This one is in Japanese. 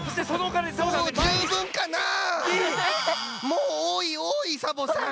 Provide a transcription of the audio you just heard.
もうおおいおおいサボさん！